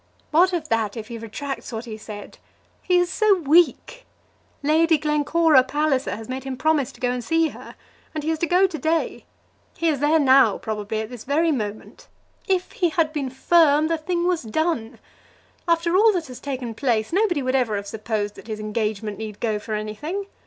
"What of that, if he retracts what he said? He is so weak. Lady Glencora Palliser has made him promise to go and see her; and he is to go to day. He is there now, probably, at this very moment. If he had been firm, the thing was done. After all that has taken place, nobody would ever have supposed that his engagement need go for anything.